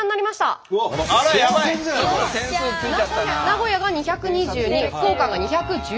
名古屋が２２２福岡が２１１。